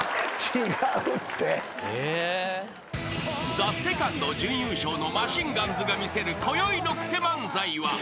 ［ＴＨＥＳＥＣＯＮＤ準優勝のマシンガンズが見せるこよいのクセ漫才は］